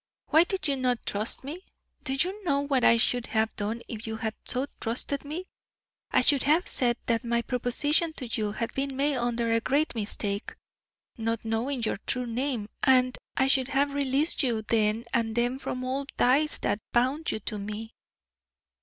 why did you not trust me? Do you know what I should have done if you had so trusted me? I should have said that my proposition to you had been made under a great mistake, not knowing your true name; and I should have released you then and them from all ties that bound you to me."